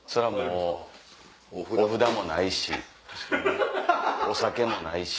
お札もないしお酒もないし。